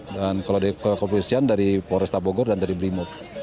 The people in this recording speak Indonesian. dan kalau dari korpus hesian dari polresta bogor dan dari brimut